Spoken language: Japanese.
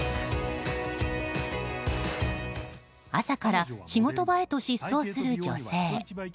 朝から仕事場へと疾走する女性。